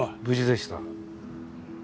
無事でした。